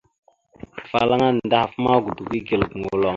Afalaŋa anda ahaf ma, godogo igal gəlom.